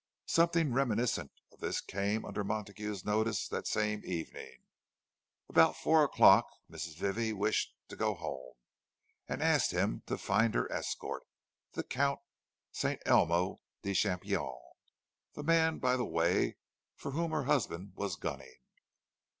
Something reminiscent of this came under Montague's notice that same evening. At about four o'clock Mrs. Vivie wished to go home, and asked him to find her escort, the Count St. Elmo de Champignon—the man, by the way, for whom her husband was gunning.